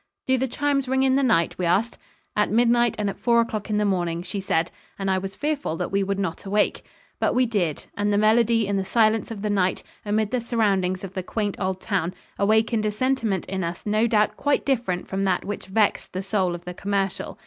"Do the chimes ring in the night?" we asked. "At midnight and at four o'clock in the morning," she said, and I was fearful that we would not awake. But we did, and the melody in the silence of the night, amid the surroundings of the quaint old town, awakened a sentiment in us no doubt quite different from that which vexed the soul of the commercial.